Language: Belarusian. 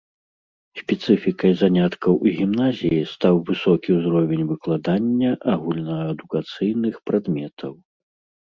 Спецыфікай заняткаў у гімназіі стаў высокі ўзровень выкладання агульнаадукацыйных прадметаў.